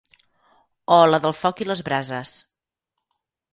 O la del foc i les brases.